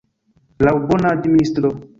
Laŭ bona administro.